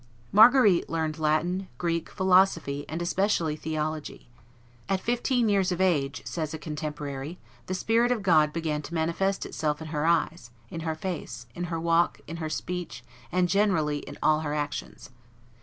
Marguerite learned Latin, Greek, philosophy, and especially theology. "At fifteen years of age," says a contemporary, "the spirit of God began to manifest itself in her eyes, in her face, in her walk, in her speech, and. generally in all her actions."